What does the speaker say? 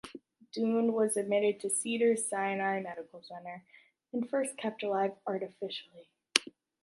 Dunne was admitted to Cedars-Sinai Medical Center and first kept alive artificially.